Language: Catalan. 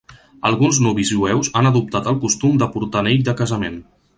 Alguns nuvis jueus han adoptat el costum de portar anell de casament.